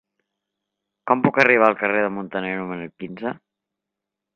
Com puc arribar al carrer de Muntaner número quinze?